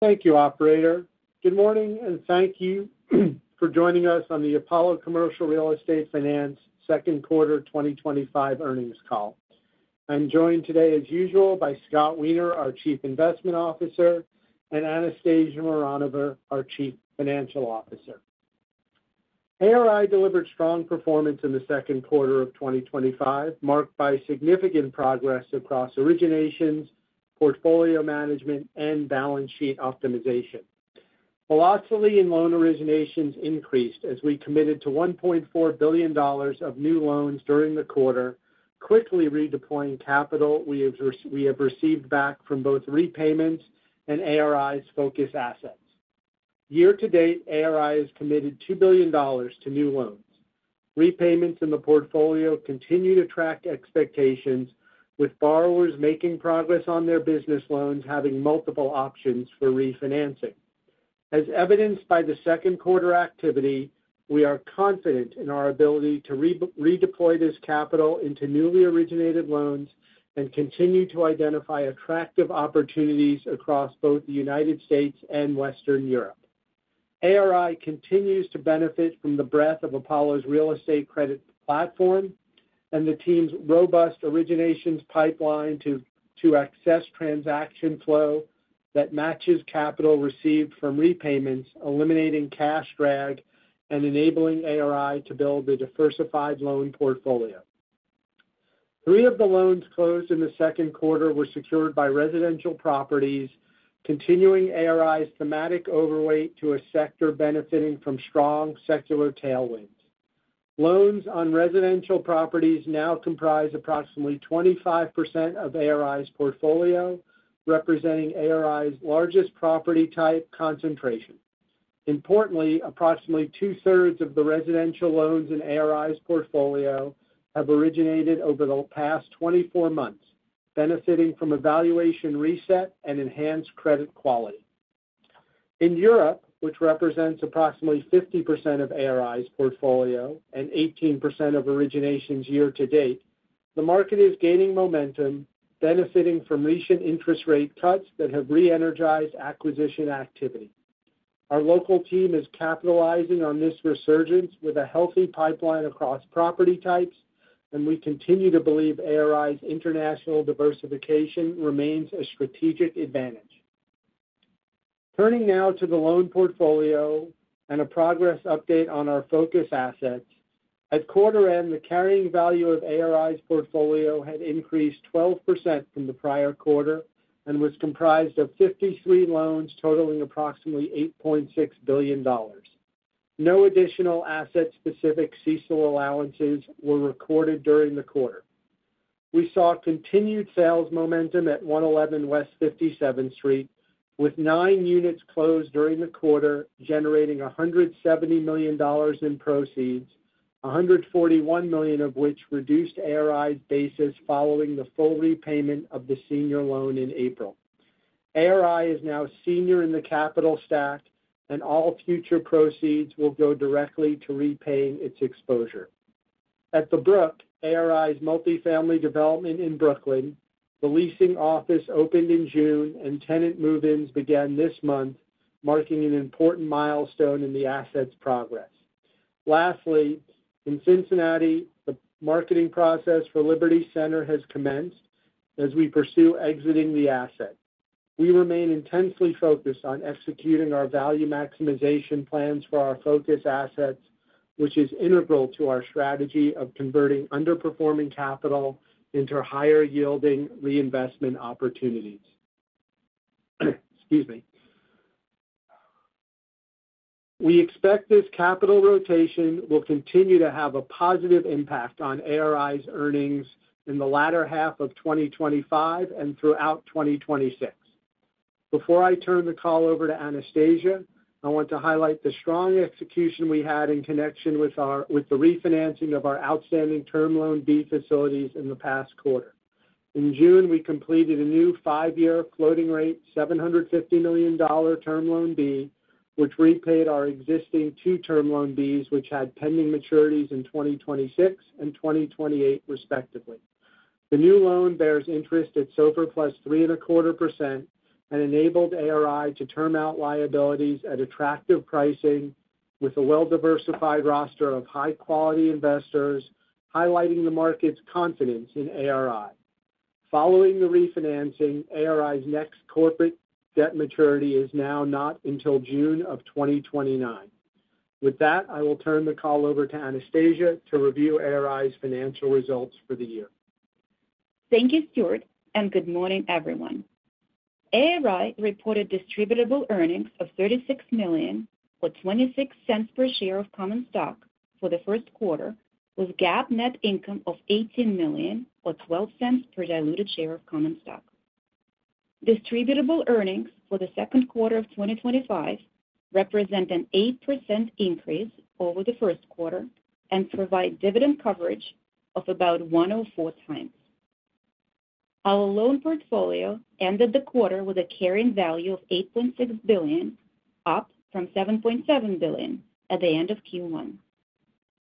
Thank you, operator. Good morning, and thank you for joining us on the Apollo Commercial Real Estate Finance Second Quarter 2025 Earnings call. I'm joined today, as usual, by Scott Weiner, our Chief Investment Officer, and Anastasia Mironova, our Chief Financial Officer. ARI delivered strong performance in the second quarter of 2025, marked by significant progress across originations, portfolio management, and balance sheet optimization. Volatility in loan originations increased as we committed to $1.4 billion of new loans during the quarter, quickly redeploying capital we have received back from both repayments and ARI's focused assets. Year to date, ARI has committed $2 billion to new loans. Repayments in the portfolio continue to track expectations, with borrowers making progress on their business loans having multiple options for refinancing. As evidenced by the second quarter activity, we are confident in our ability to redeploy this capital into newly originated loans and continue to identify attractive opportunities across both The United States and Western Europe. ARI continues to benefit from the breadth of Apollo's real estate credit platform and the team's robust originations pipeline to access transaction flow that matches capital received from repayments, eliminating cash drag and enabling ARI to build a diversified loan portfolio. Three of the loans closed in the second quarter were secured by residential properties, continuing ARI's thematic overweight to a sector benefiting from strong secular tailwinds. Loans on residential properties now comprise approximately 25% of ARI's portfolio, representing ARI's largest property type concentration. Importantly, approximately 2/3 of the residential loans in ARI's portfolio have originated over the past 24 months, benefiting from a valuation reset and enhanced credit quality. In Europe, which represents approximately 50% of ARI's portfolio and 18% of originations year to date, the market is gaining momentum, benefiting from recent interest rate cuts that have re-energized acquisition activity. Our local team is capitalizing on this resurgence with a healthy pipeline across property types, and we continue to believe ARI's international diversification remains a strategic advantage. Turning now to the loan portfolio and a progress update on our focused assets. At quarter end, the carrying value of ARI's portfolio had increased 12% from the prior quarter and was comprised of 53 loans totaling approximately $8.6 billion. No additional asset-specific CECL allowances were recorded during the quarter. We saw continued sales momentum at 111 West 57th Street, with nine units closed during the quarter, generating $170 million in proceeds, $141 million of which reduced ARI's basis following the full repayment of the senior loan in April. ARI is now senior in the capital stack, and all future proceeds will go directly to repaying its exposure. At The Brook, ARI's multifamily development in Brooklyn, the leasing office opened in June, and tenant move-ins began this month, marking an important milestone in the asset's progress. Lastly, in Cincinnati, the marketing process for Liberty Center has commenced as we pursue exiting the asset. We remain intensely focused on executing our value maximization plans for our focused assets, which is integral to our strategy of converting underperforming capital into higher yielding reinvestment opportunities. We expect this capital rotation will continue to have a positive impact on ARI's earnings in the latter half of 2025 and throughout 2026. Before I turn the call over to Anastasia, I want to highlight the strong execution we had in connection with the refinancing of our outstanding term loan B facilities in the past quarter. In June, we completed a new five-year floating rate $750 million term loan B, which repaid our existing two term loan Bs, which had pending maturities in 2026 and 2028, respectively. The new loan bears interest at SOFR plus 3.25% and enabled ARI to term out liabilities at attractive pricing with a well-diversified roster of high-quality investors, highlighting the market's confidence in ARI. Following the refinancing, ARI's next corporate debt maturity is now not until June of 2029. With that, I will turn the call over to Anastasia to review ARI's financial results for the year. Thank you, Stuart, and good morning, everyone. ARI reported distributable earnings of $36 million or $0.26 per share of common stock for the first quarter, with a GAAP net income of $18 million or $0.12 per diluted share of common stock. Distributable earnings for the second quarter of 2025 represent an 8% increase over the first quarter and provide dividend coverage of about 104%. Our loan portfolio ended the quarter with a carrying value of $8.6 billion, up from $7.7 billion at the end of Q1.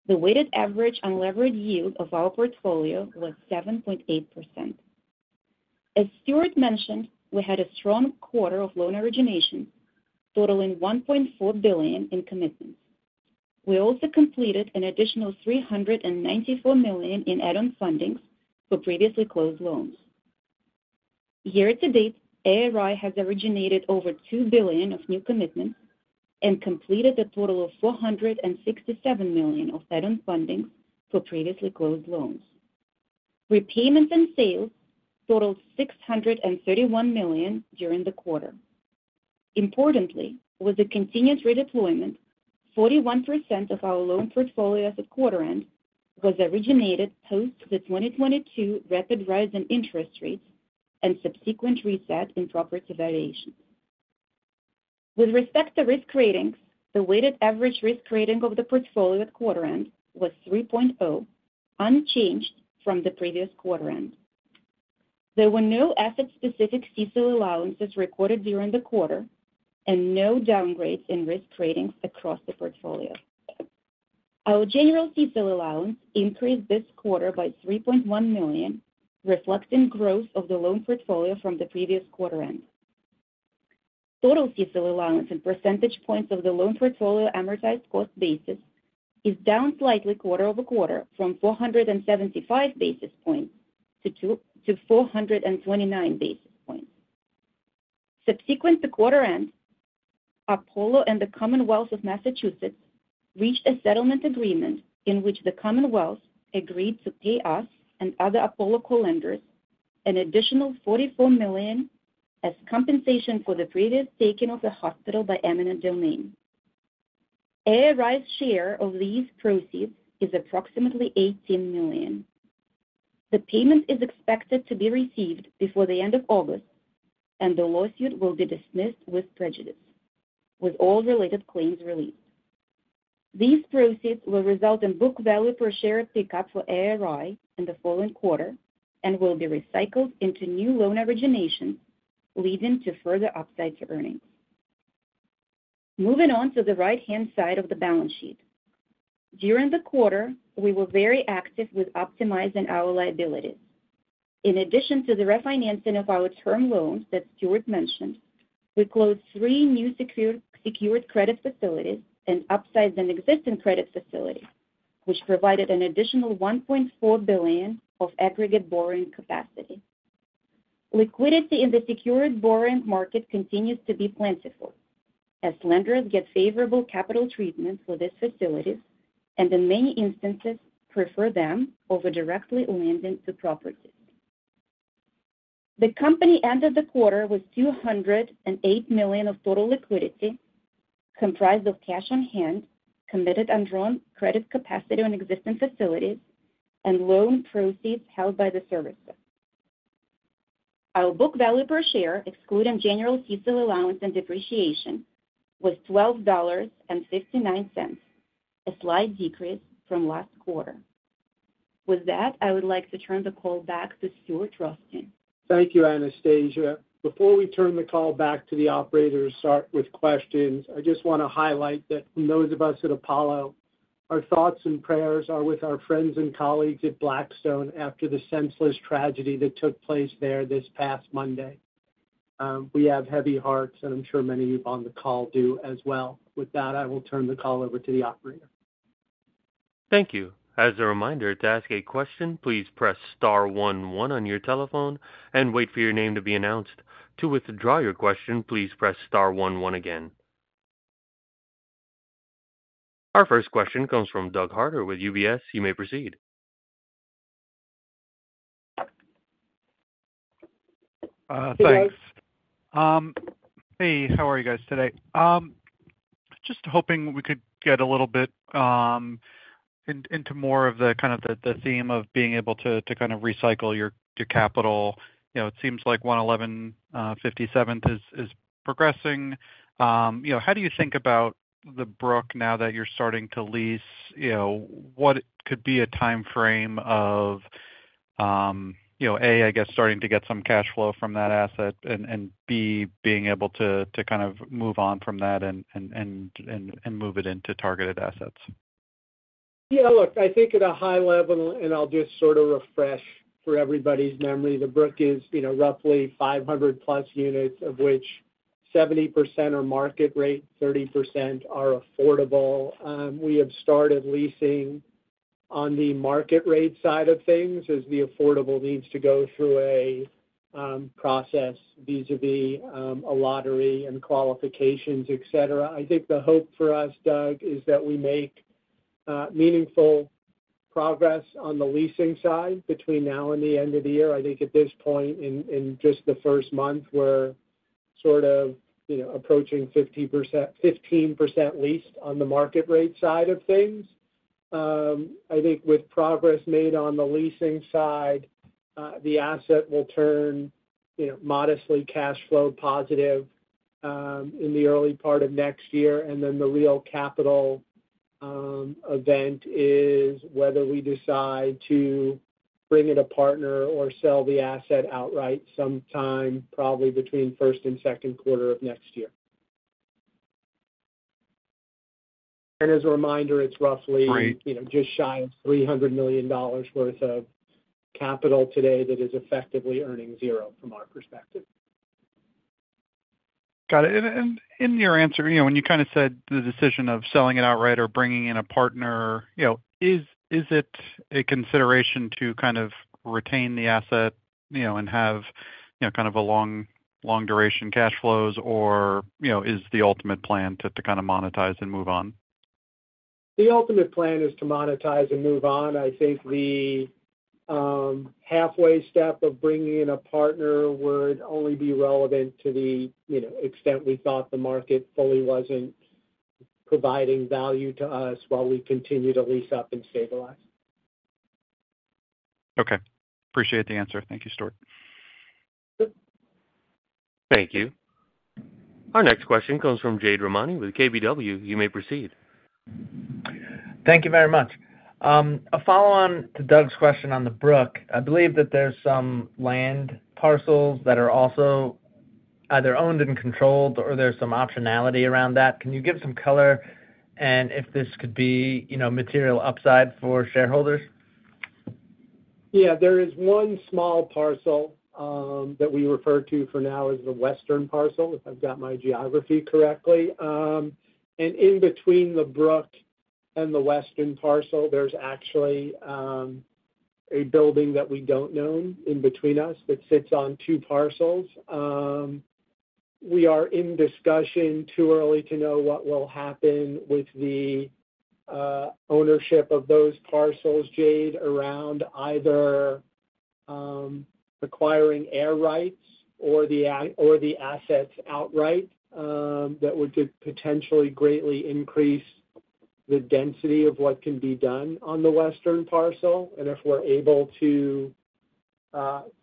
The weighted average unleveraged yield of our portfolio was 7.8%. As Stuart mentioned, we had a strong quarter of loan originations totaling $1.4 billion in commitments. We also completed an additional $394 million in add-on funding for previously closed loans. Year to date, ARI has originated over $2 billion of new commitments and completed a total of $467 million of add-on funding for previously closed loans. Repayments and sales totaled $631 million during the quarter. Importantly, with the continued redeployment, 41% of our loan portfolio at quarter end was originated post the 2022 rapid rise in interest rates and subsequent reset in property valuations. With respect to risk ratings, the weighted average risk rating of the portfolio at quarter end was 3.0, unchanged from the previous quarter end. There were no asset-specific CECL allowances recorded during the quarter and no downgrades in risk ratings across the portfolio. Our general CECL allowance increased this quarter by $3.1 million, reflecting growth of the loan portfolio from the previous quarter end. Total CECL allowance in percentage points of the loan portfolio amortized cost basis is down slightly quarter over quarter from 475 basis points to 429 basis points. Subsequent to quarter end, Apollo and the Commonwealth of Massachusetts reached a settlement agreement in which the Commonwealth agreed to pay us and other Apollo co-lenders an additional $44 million as compensation for the bridges taken off the hospital by eminent domain. ARI's share of these proceeds is approximately $18 million. The payment is expected to be received before the end of August, and the lawsuit will be dismissed with prejudice, with all related claims released. These proceeds will result in book value per share pickup for ARI in the following quarter and will be recycled into new loan originations, leading to further upside to earnings. Moving on to the right-hand side of the balance sheet. During the quarter, we were very active with optimizing our liabilities. In addition to the refinancing of our term loans that Stuart mentioned, we closed three new secured credit facilities and upsized an existing credit facility, which provided an additional $1.4 billion of aggregate borrowing capacity. Liquidity in the secured borrowing market continues to be plentiful as lenders get favorable capital treatment for these facilities and in many instances prefer them over directly lending to properties. The company ended the quarter with $208 million of total liquidity, comprised of cash on hand, committed and drawn credit capacity on existing facilities, and loan proceeds held by the services. Our book value per share, excluding general CECL allowance and depreciation, was $12.59, a slight decrease from last quarter. With that, I would like to turn the call back to Stuart Rothstein. Thank you, Anastasia. Before we turn the call back to the operator to start with questions, I just want to highlight that for those of us at Apollo, our thoughts and prayers are with our friends and colleagues at Blackstone after the senseless tragedy that took place there this past Monday. We have heavy hearts, and I'm sure many of you on the call do as well. With that, I will turn the call over to the operator. Thank you. As a reminder, to ask a question, please press star one on your telephone and wait for your name to be announced. To withdraw your question, please press star 11 again. Our first question comes from Doug Harter with UBS. You may proceed. Thanks. Hey, how are you guys today? Just hoping we could get a little bit into more of the kind of the theme of being able to kind of recycle your capital. It seems like 111 West 57th Street is progressing. How do you think about The Brook now that you're starting to lease? What could be a timeframe of, A, I guess, starting to get some cash flow from that asset and, B, being able to kind of move on from that and move it into targeted assets? Yeah, look, I think at a high level, and I'll just sort of refresh for everybody's memory, The Brook is, you know, roughly 500 plus units, of which 70% are market rate, 30% are affordable. We have started leasing on the market rate side of things as the affordable needs to go through a process, B2B, a lottery, and qualifications, etc. I think the hope for us, Doug, is that we make meaningful progress on the leasing side between now and the end of the year. I think at this point in just the first month, we're sort of, you know, approaching 15% leased on the market rate side of things. I think with progress made on the leasing side, the asset will turn, you know, modestly cash flow positive in the early part of next year. The real capital event is whether we decide to bring in a partner or sell the asset outright sometime probably between first and second quarter of next year. As a reminder, it's roughly, you know, just shy of $300 million worth of capital today that is effectively earning zero from our perspective. Got it. In your answer, when you kind of said the decision of selling it outright or bringing in a partner, is it a consideration to kind of retain the asset and have kind of long, long duration cash flows, or is the ultimate plan to kind of monetize and move on? The ultimate plan is to monetize and move on. I think the halfway step of bringing in a partner would only be relevant to the extent we thought the market fully wasn't providing value to us while we continue to lease up and stabilize. Okay. Appreciate the answer. Thank you, Stuart. Thank you. Our next question comes from Jade Rahmani with KBW. You may proceed. Thank you very much. A follow-on to Doug's question on The Brook. I believe that there's some land parcels that are also either owned and controlled, or there's some optionality around that. Can you give some color and if this could be, you know, material upside for shareholders? Yeah, there is one small parcel that we refer to for now as the Western parcel, if I've got my geography correctly. In between The Brook and the Western parcel, there's actually a building that we don't own in between us that sits on two parcels. We are in discussion, too early to know what will happen with the ownership of those parcels, Jade, around either acquiring air rights or the assets outright that would potentially greatly increase the density of what can be done on the Western parcel. If we're able to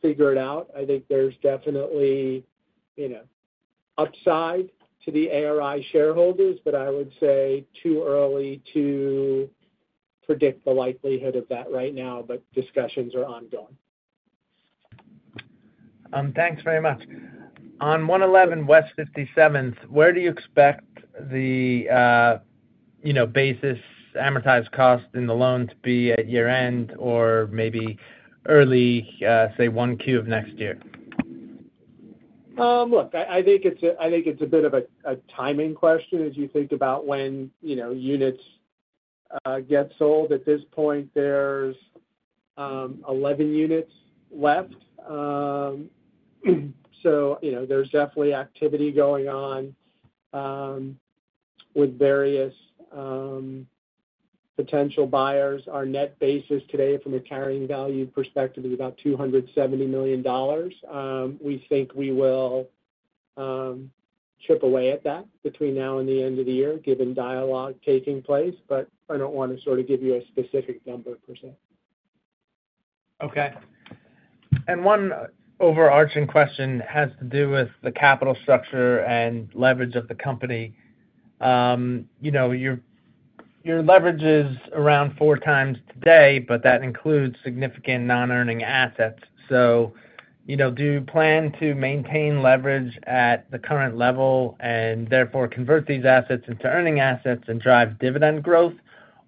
figure it out, I think there's definitely, you know, upside to the ARI shareholders, but I would say too early to predict the likelihood of that right now, but discussions are ongoing. Thanks very much. On 111 West 57th Street, where do you expect the basis amortized cost in the loans to be at year end or maybe early, say, 1Q of next year? Look, I think it's a bit of a timing question as you think about when, you know, units get sold. At this point, there's 11 units left. There's definitely activity going on with various potential buyers. Our net basis today from a carrying value perspective is about $270 million. We think we will chip away at that between now and the end of the year given dialogue taking place, but I don't want to sort of give you a specific number per se. Okay. One overarching question has to do with the capital structure and leverage of the company. Your leverage is around four times today, but that includes significant non-earning assets. Do you plan to maintain leverage at the current level and therefore convert these assets into earning assets and drive dividend growth,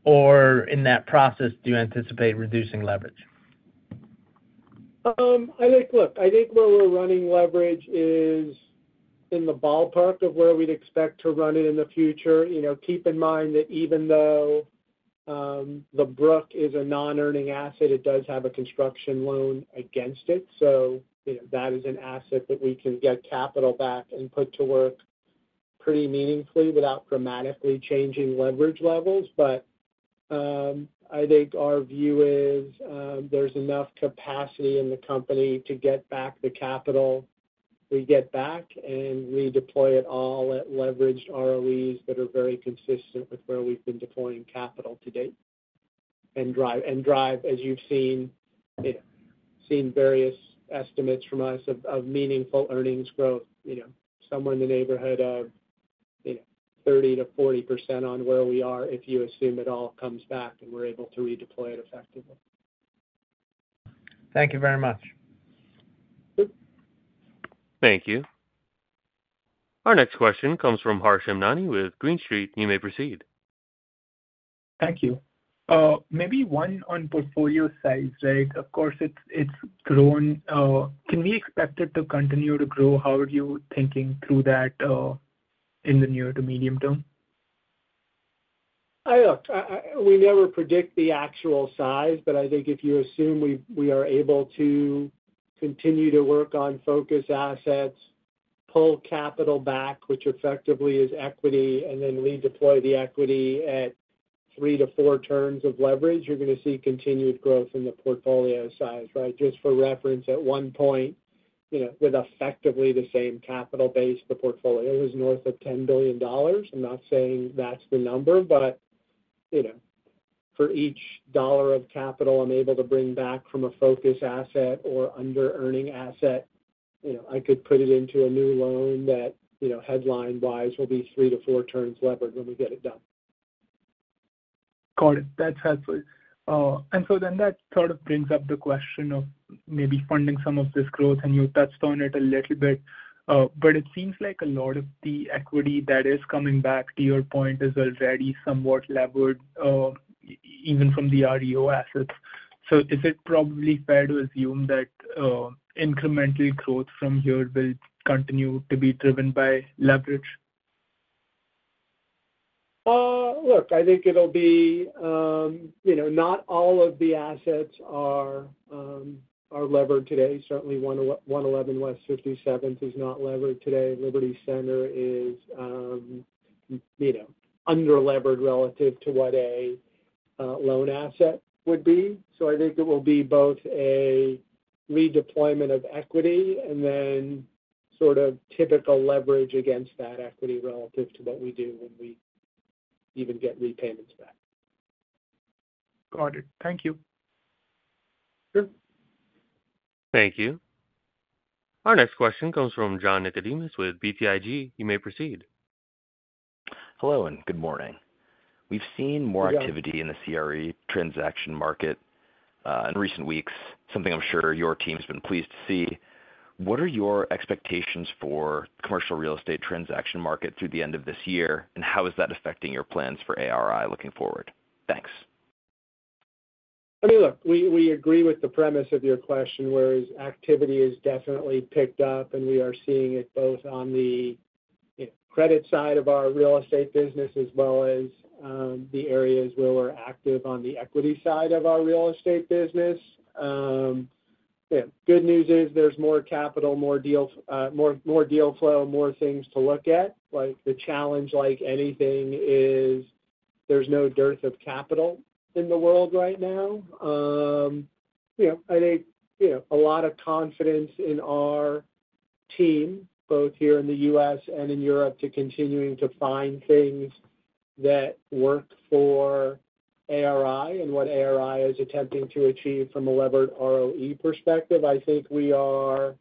or in that process, do you anticipate reducing leverage? I think where we're running leverage is in the ballpark of where we'd expect to run it in the future. Keep in mind that even though The Brook is a non-earning asset, it does have a construction loan against it. That is an asset that we can get capital back and put to work pretty meaningfully without dramatically changing leverage levels. I think our view is there's enough capacity in the company to get back the capital we get back and redeploy it all at leveraged ROEs that are very consistent with where we've been deploying capital to date, and drive, as you've seen, various estimates from us of meaningful earnings growth, somewhere in the neighborhood of 30% to 40% on where we are if you assume it all comes back and we're able to redeploy it effectively. Thank you very much. Thank you. Our next question comes from Harsh Hemnani with Green Street. You may proceed. Thank you. Maybe one on portfolio size, right? Of course, it's grown. Can we expect it to continue to grow? How are you thinking through that in the near to medium term? We never predict the actual size, but I think if you assume we are able to continue to work on focused assets, pull capital back, which effectively is equity, and then redeploy the equity at three to four turns of leverage, you're going to see continued growth in the portfolio size, right? Just for reference, at one point, with effectively the same capital base, the portfolio was north of $10 billion. I'm not saying that's the number, but for each dollar of capital I'm able to bring back from a focused asset or under-earning asset, I could put it into a new loan that, headline-wise, will be three to four turns levered when we get it done. Got it. That's helpful. That sort of brings up the question of maybe funding some of this growth, and you touched on it a little bit, but it seems like a lot of the equity that is coming back to your point is already somewhat levered, even from the REO assets. Is it probably fair to assume that incremental growth from here will continue to be driven by leverage? I think it'll be, you know, not all of the assets are levered today. Certainly, 111 West 57th Street is not levered today. Liberty Center is, you know, under-levered relative to what a loan asset would be. I think it will be both a redeployment of equity and then sort of typical leverage against that equity relative to what we do when we even get repayments back. Got it. Thank you. Sure. Thank you. Our next question comes from John Nicodemus with BTIG. You may proceed. Hello, and good morning. We've seen more activity in the CRE transaction market in recent weeks, something I'm sure your team's been pleased to see. What are your expectations for the commercial real estate transaction market through the end of this year, and how is that affecting your plans for ARI looking forward? Thanks. I mean, look, we agree with the premise of your question, whereas activity has definitely picked up, and we are seeing it both on the credit side of our real estate business as well as the areas where we're active on the equity side of our real estate business. Good news is there's more capital, more deal flow, more things to look at. The challenge, like anything, is there's no dearth of capital in the world right now. I think a lot of confidence in our team, both here in the U.S. and in Europe, to continuing to find things that work for ARI and what ARI is attempting to achieve from a levered ROE perspective. I think we are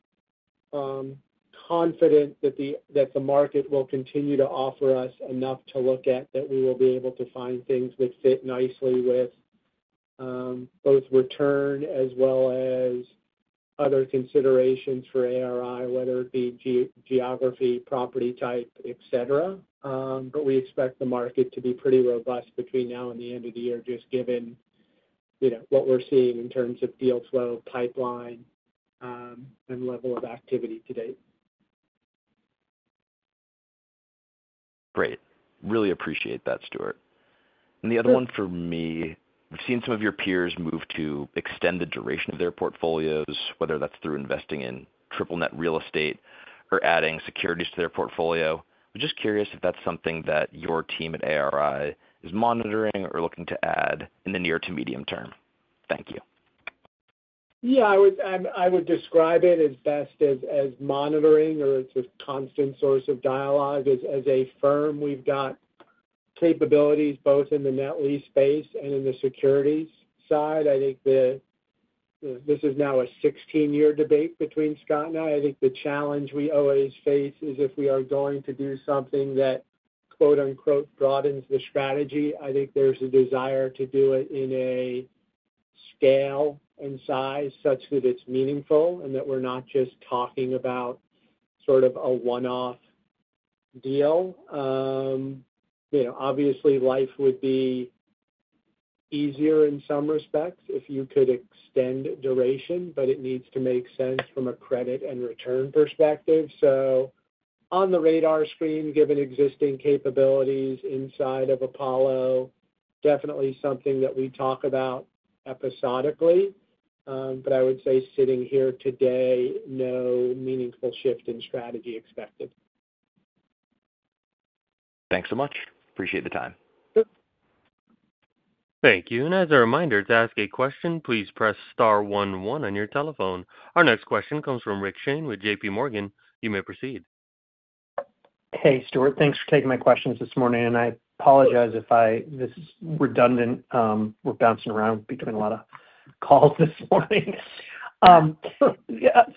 confident that the market will continue to offer us enough to look at that we will be able to find things that fit nicely with both return as well as other considerations for ARI, whether it be geography, property type, etc. We expect the market to be pretty robust between now and the end of the year, just given what we're seeing in terms of deal flow, pipeline, and level of activity today. Great. Really appreciate that, Stuart. The other one for me, we've seen some of your peers move to extend the duration of their portfolios, whether that's through investing in triple net real estate or adding securities to their portfolio. I'm just curious if that's something that your team at ARI is monitoring or looking to add in the near to medium term. Thank you. Yeah, I would describe it as best as monitoring or as a constant source of dialogue. As a firm, we've got capabilities both in the net lease space and in the securities side. I think this is now a 16-year debate between Scott and I. I think the challenge we always face is if we are going to do something that, quote, unquote, "broadens the strategy," I think there's a desire to do it in a scale and size such that it's meaningful and that we're not just talking about sort of a one-off deal. Obviously, life would be easier in some respects if you could extend duration, but it needs to make sense from a credit and return perspective. On the radar screen, given existing capabilities inside of Apollo, definitely something that we talk about episodically. I would say sitting here today, no meaningful shift in strategy expected. Thanks so much. Appreciate the time. Thank you. As a reminder, to ask a question, please press star 11 on your telephone. Our next question comes from Rick Shane with JPMorgan. You may proceed. Hey, Stuart. Thanks for taking my questions this morning. I apologize if this is redundant. We're bouncing around between a lot of calls this morning.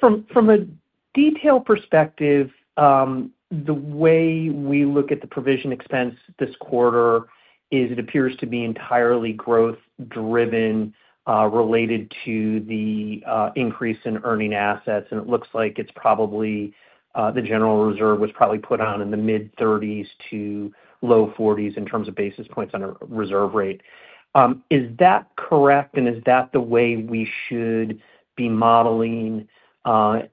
From a detailed perspective, the way we look at the provision expense this quarter is it appears to be entirely growth-driven related to the increase in earning assets. It looks like it's probably the Federal Reserve was probably put on in the mid-30s - low 40s in terms of basis points on a reserve rate. Is that correct? Is that the way we should be modeling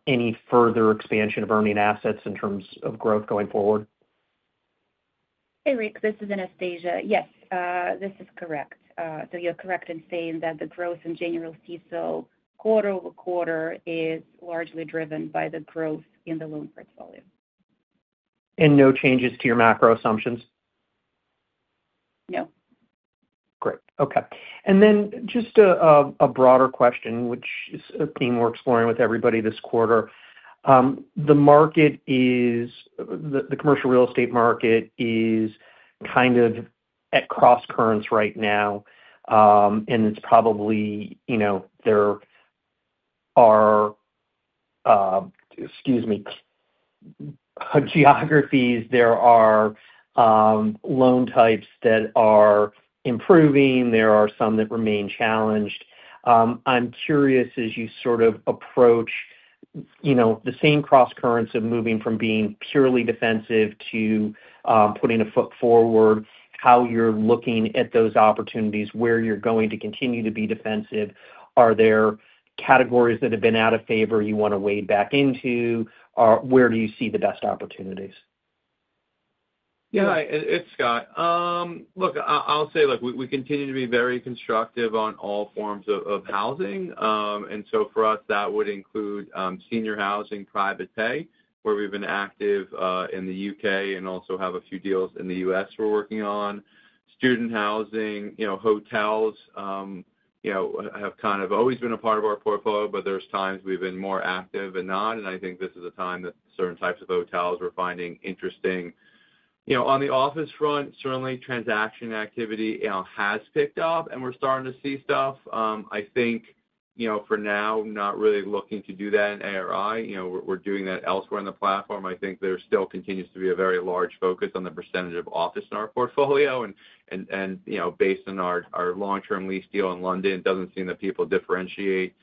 any further expansion of earning assets in terms of growth going forward? Hey, Rick. This is Anastasia. Yes, this is correct. You're correct in saying that the growth in general CECL quarter over quarter is largely driven by the growth in the loan portfolio. No changes to your macro assumptions? No. Great. Okay. Just a broader question, which is a theme we're exploring with everybody this quarter. The market is, the commercial real estate market is kind of at cross currents right now. It's probably, you know, there are geographies, there are loan types that are improving, there are some that remain challenged. I'm curious, as you sort of approach the same cross currents of moving from being purely defensive to putting a foot forward, how you're looking at those opportunities, where you're going to continue to be defensive. Are there categories that have been out of favor you want to wade back into? Where do you see the best opportunities? Yeah, it's Scott. Look, we continue to be very constructive on all forms of housing. For us, that would include senior housing, private pay, where we've been active in the U.K and also have a few deals in the U.S. we're working on. Student housing, hotels have kind of always been a part of our portfolio, but there's times we've been more active and not. I think this is a time that certain types of hotels we're finding interesting. On the office front, certainly, transaction activity has picked up, and we're starting to see stuff. For now, not really looking to do that in ARI. We're doing that elsewhere on the platform. There still continues to be a very large focus on the % of office in our portfolio. Based on our long-term lease deal in London, it doesn't seem that people differentiate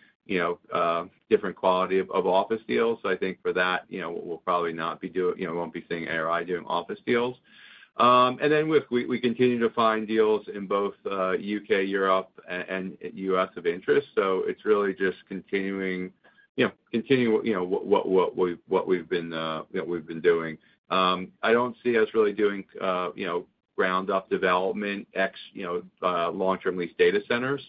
different quality of office deals. For that, we'll probably not be doing, we won't be seeing ARI doing office deals. We continue to find deals in both U.K, Europe, and U.S. of interest. It's really just continuing what we've been doing. I don't see us really doing ground-up development, long-term lease data centers.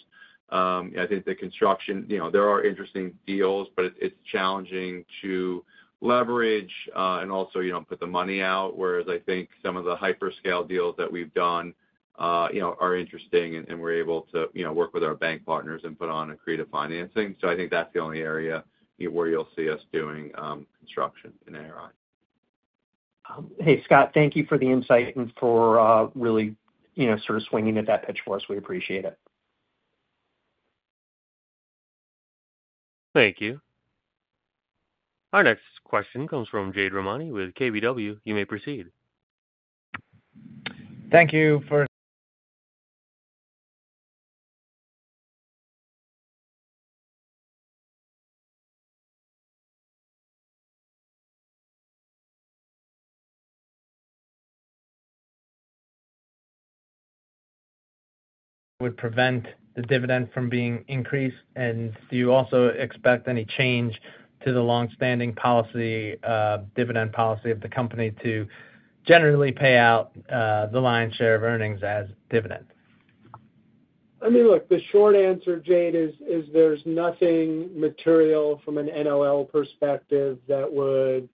I think the construction, there are interesting deals, but it's challenging to leverage and also put the money out, whereas I think some of the hyperscale deals that we've done are interesting and we're able to work with our bank partners and put on a creative financing. I think that's the only area where you'll see us doing construction in ARI. Hey, Scott, thank you for the insight and for really, you know, sort of swinging at that pitch for us. We appreciate it. Thank you. Our next question comes from Jade Rahmani with KBW. You may proceed. Thank you. Would prevent the dividend from being increased, and do you also expect any change to the longstanding policy of the company to generally pay out the lion's share of earnings as dividend? I mean, look, the short answer, Jade, is there's nothing material from an NOL perspective that would,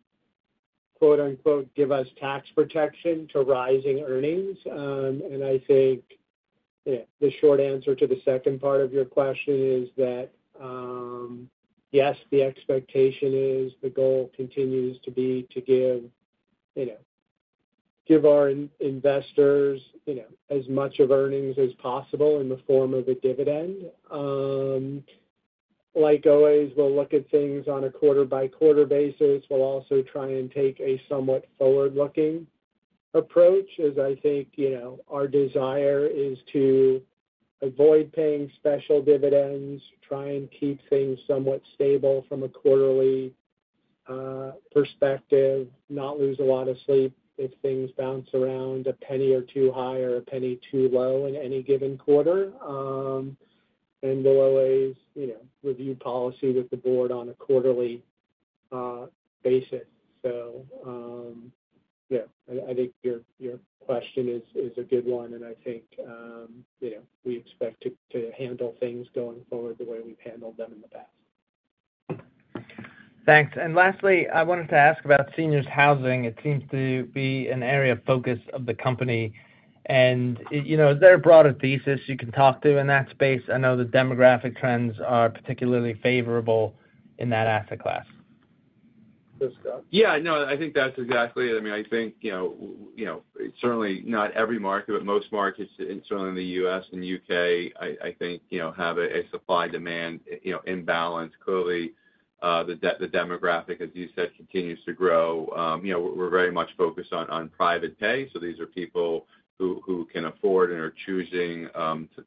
quote, unquote, "give us tax protection" to rising earnings. I think the short answer to the second part of your question is that, yes, the expectation is the goal continues to be to give, you know, give our investors, you know, as much of earnings as possible in the form of a dividend. Like always, we'll look at things on a quarter-by-quarter basis. We'll also try and take a somewhat forward-looking approach as I think, you know, our desire is to avoid paying special dividends, try and keep things somewhat stable from a quarterly perspective, not lose a lot of sleep if things bounce around a penny or two high or a penny too low in any given quarter. We'll always, you know, review policy with the board on a quarterly basis. I think your question is a good one, and I think, you know, we expect to handle things going forward the way we've handled them in the past. Thanks. Lastly, I wanted to ask about seniors' housing. It seems to be an area of focus of the company. Is there a broader thesis you can talk to in that space? I know the demographic trends are particularly favorable in that asset class. Yeah, no, I think that's exactly it. I think it's certainly not every market, but most markets, certainly in the U.S. and U.K., have a supply-demand imbalance. Clearly, the demographic, as you said, continues to grow. We're very much focused on private pay. These are people who can afford and are choosing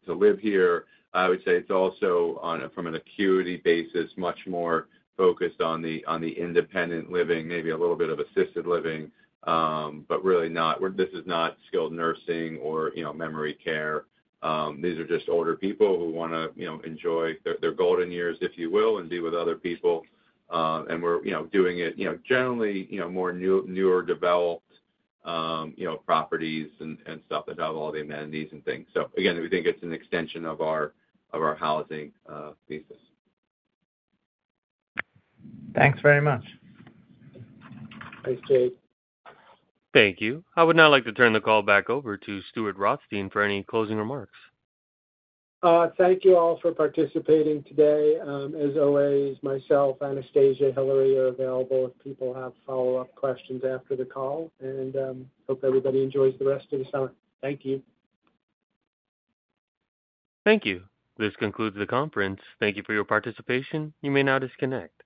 to live here. I would say it's also, on an acuity basis, much more focused on the independent living, maybe a little bit of assisted living, but really not, this is not skilled nursing or memory care. These are just older people who want to enjoy their golden years, if you will, and be with other people. We're doing it generally in more newly developed properties and stuff that have all the amenities and things. We think it's an extension of our housing thesis. Thanks very much. Thanks, Jade. Thank you. I would now like to turn the call back over to Stuart Rothstein for any closing remarks. Thank you all for participating today. As always, myself, Anastasia, and Hillary are available if people have follow-up questions after the call. I hope everybody enjoys the rest of the summer. Thank you. Thank you. This concludes the conference. Thank you for your participation. You may now disconnect.